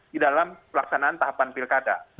di dalam pelaksanaan tahapan pilkada